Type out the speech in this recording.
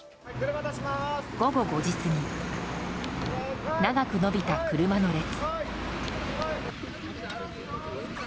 午後５時過ぎ長く延びた車の列。